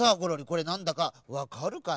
これなんだかわかるかな？